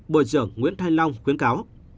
bộ trưởng nguyễn thanh long khuyến cáo